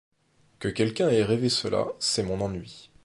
Que quelqu’un ait rêvé cela, c’est mon ennui.